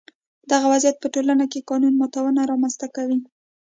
دغه وضعیت په ټولنه کې قانون ماتونه رامنځته کوي.